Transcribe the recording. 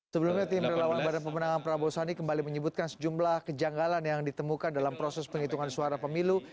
sebelumnya tim relawan badan pemenangan prabowo sandi kembali menyebutkan sejumlah kejanggalan yang ditemukan dalam proses penghitungan suara pemilu